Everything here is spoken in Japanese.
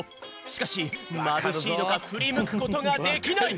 しかしまぶしいのかふりむくことができない！